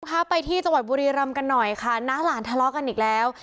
พาไปที่จังหวัดบุรีรำกันหน่อยค่ะน้าหลานทะเลาะกันอีกแล้ว